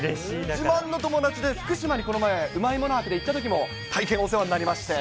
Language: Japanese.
自慢の友達で、福島にこの前、うまいもの博で行ったときも、大変お世話になりまして。